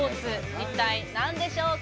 一体何でしょうか？